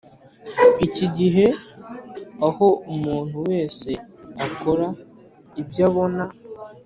Iki gihe aho umuntu wese akora ibyo abona